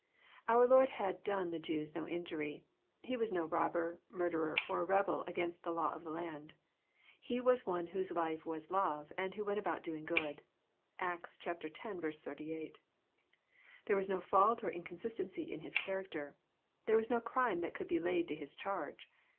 Our Lord had done the Jews no injury. He was no robber, murderer, or rebel against the law of the land. Ho was one whose whole life was love, and who " went about do ing good. (Acts X. 88.) There was no fault or inconsistency in His character. There was no crime that could be laid to His charge.